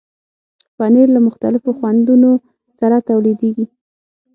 پنېر له مختلفو خوندونو سره تولیدېږي.